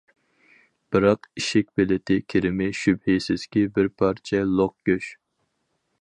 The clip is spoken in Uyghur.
بىراق، ئىشىك بېلىتى كىرىمى شۈبھىسىزكى بىر پارچە لوق گۆش.